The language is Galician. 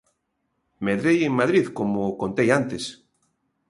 Medrei en Madrid, como contei antes.